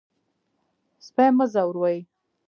سپي مه ځوروئ.